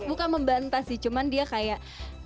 bukan membantah sih cuman dia kayak